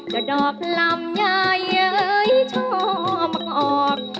จะดอกลำใยชอบมักออก